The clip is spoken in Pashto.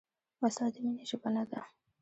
وسله د مینې ژبه نه ده